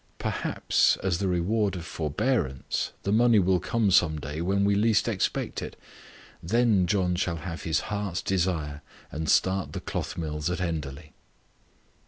"Perhaps, as the reward of forbearance, the money will come some day when we least expect it; then John shall have his heart's desire, and start the cloth mills at Enderley."